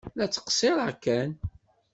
La ttqeṣṣireɣ kan.